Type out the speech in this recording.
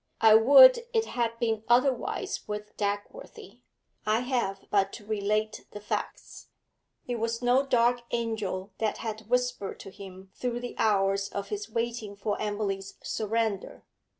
I would it had been otherwise with Dagworthy; I have but to relate the facts. It was no dark angel that had whispered to him through the hours of his waiting for Emily's surrender.